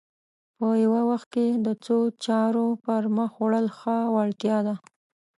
په یوه وخت کې د څو چارو پر مخ وړل ښه وړتیا ده